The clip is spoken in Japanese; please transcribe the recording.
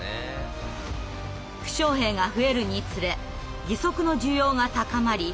負傷兵が増えるにつれ義足の需要が高まり